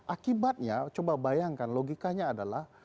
akibatnya coba bayangkan logikanya adalah